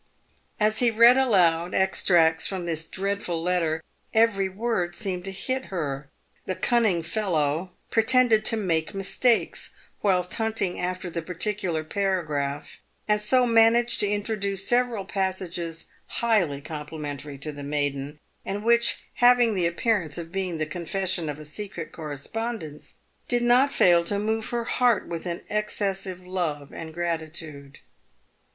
As he read aloud extracts from this dreadful letter, every word seemed to hit her. The cunning fellow pretended to make mistakes whilst hunting after the particular paragraph, and so managed to introduce several passages highly com plimentary to the maiden, and which, having the appearance of being the confession of a secret correspondence, did not fail to move her heart with excessive love and gratitude.